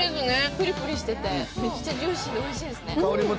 プリプリしててめっちゃジューシ−でおいしいですね。